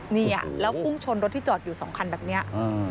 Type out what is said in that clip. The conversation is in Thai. นี่แล้วพุ่งชนรถที่จอดอยู่สองคันแบบนี้